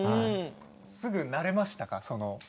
すぐ慣れましたか？